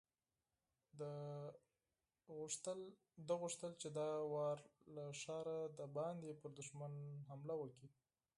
ده غوښتل چې دا ځل له ښاره د باندې پر دښمن حمله وکړي.